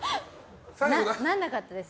ならなかったです。